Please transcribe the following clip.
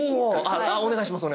あっお願いします